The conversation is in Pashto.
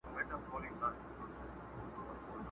پېزوان به هم پر شونډو سپور وو اوس به وي او کنه!.